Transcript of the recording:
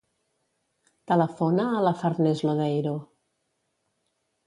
Telefona a la Farners Lodeiro.